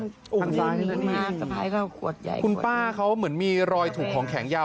ทางซ้ายมือคุณป้าเขาเหมือนมีรอยถูกของแข็งยาว